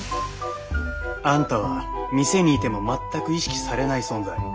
あんたは店にいても全く意識されない存在。